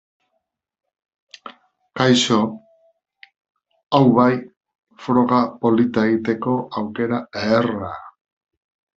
Jatorrizko hizkuntzetan, munduko erdigunea direla adierazten dute hiri horien izenek.